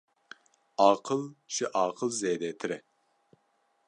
Aqil ji aqil zêdetir e